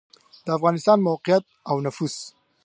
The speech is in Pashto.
د افغانستان موقعیت او نفوس